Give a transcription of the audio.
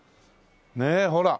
ねえほら。